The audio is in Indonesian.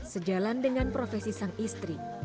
sejalan dengan profesi sang istri